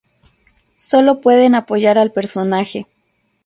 Solo pueden apoyar al personaje.